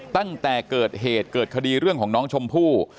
ตั้งแต่เกิดเหตุเกิดคดีเรื่องของน้องชมพู่